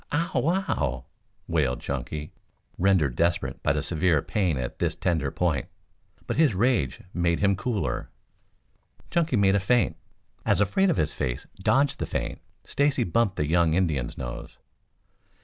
"Ow wow!" wailed Chunky, rendered desperate by the severe pain at this tender point. But his rage made him cooler. Chunky made a feint. As Afraid Of His Face dodged the feint Stacy bumped the young Indian's nose.